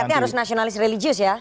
jadi kamu harus nasionalis religius ya